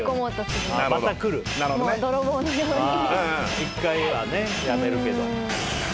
１回はねやめるけど。